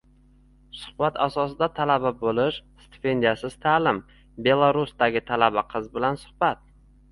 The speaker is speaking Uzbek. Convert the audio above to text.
Suhbat asosida talaba bo‘lish, stipendiyasiz ta'lim – Belarusdagi talaba qiz bilan suhbat